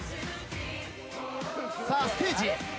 さあステージへ。